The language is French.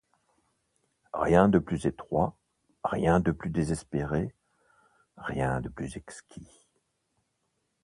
Rien de plus étroit, rien de plus désespéré, rien de plus exquis.